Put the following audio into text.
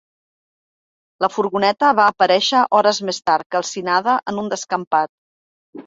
La furgoneta va aparèixer hores més tard calcinada en un descampat.